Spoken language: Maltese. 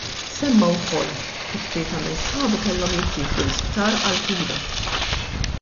Semma wkoll kif tlieta minn sħabu kellhom jittieħdu l-isptar għall-kura.